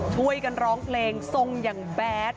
ช่วยกันร้องเพลงทรงอย่างแบด